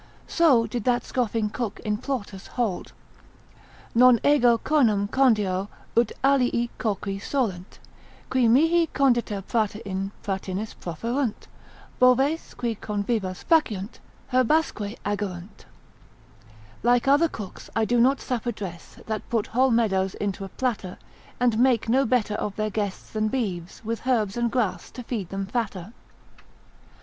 So did that scoffing cook in Plautus hold: Non ego coenam condio ut alii coqui solent, Qui mihi condita prata in patinis proferunt, Boves qui convivas faciunt, herbasque aggerunt. Like other cooks I do not supper dress, That put whole meadows into a platter, And make no better of their guests than beeves, With herbs and grass to feed them fatter.